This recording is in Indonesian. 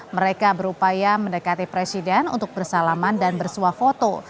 mereka berupaya mendekati presiden untuk bersalaman dan bersuah foto